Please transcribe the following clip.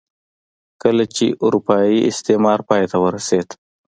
کله چې اروپايي استعمار پای ته ورسېد.